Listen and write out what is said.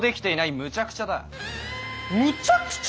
むちゃくちゃ！